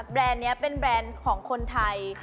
แรนด์นี้เป็นแบรนด์ของคนไทย